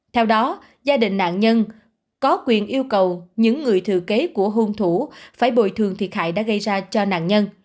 theo đó gia đình nạn nhân có quyền yêu cầu những người thừa kế của hôn thủ phải bồi thường thiệt hại đã gây ra cho nạn nhân